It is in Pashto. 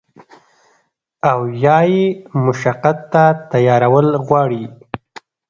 او يا ئې مشقت ته تيارول غواړي